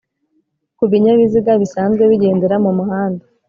ku binyabiziga bisanzwe bigendera mu muhanda